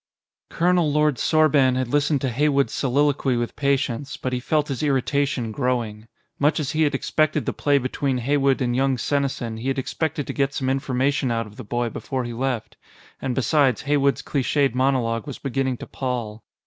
Colonel Lord Sorban had listened to Heywood's soliloquy with patience, but he felt his irritation growing. Much as he had enjoyed the play between Heywood and young Senesin, he had expected to get some information out of the boy before he left. And besides, Heywood's clichéd monologue was beginning to pall.